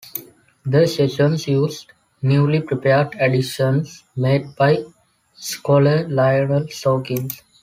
The sessions used newly prepared editions made by scholar Lionel Sawkins.